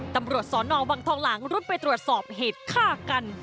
ตำรวจสอนอวังทองหลังรุดไปตรวจสอบเหตุฆ่ากัน